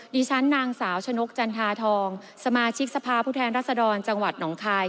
ดิฉันนางสาวชนกจันทาทองสมาชิกสภาพุทธแหลศดรจังหวัดหนองคาย